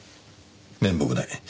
面目ない。